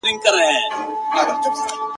ښوونکي وویل: اقرأ د قرآن لومړی امر دی.